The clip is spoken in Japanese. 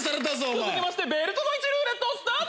続きましてベルトの位置ルーレットスタート！